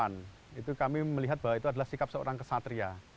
yang mungkin dia mau datang sewan itu kami melihat bahwa itu adalah sikap seorang kesatria